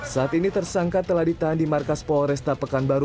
saat ini tersangka telah ditahan di markas polres tapekanbaru